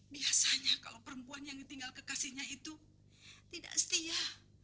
biasanya kalau perempuan yang ditinggal kekasihnya itu tidak setia